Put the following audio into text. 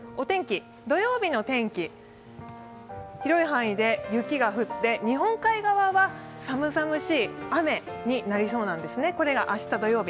土曜日の天気、広い範囲で雪が降って、日本海側は寒々しい雨になりそうなんですね、これが明日の土曜日。